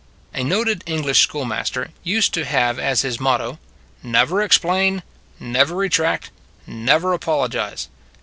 A noted English schoolmaster used to have as his motto : Never explain, never retract, never apologize.